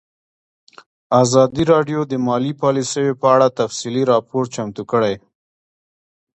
ازادي راډیو د مالي پالیسي په اړه تفصیلي راپور چمتو کړی.